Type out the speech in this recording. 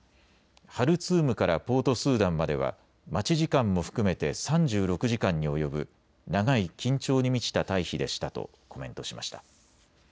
ハルツームからポートスーダンまでは待ち時間も含めて３６時間に及ぶ長い緊張に満ちた退避でしたとコメントしました。